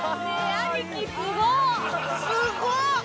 すごっ！